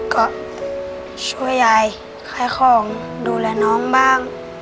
ก็ช่วยยายขายของดูแลน้องบ้าง